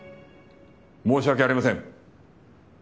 申し訳ありません。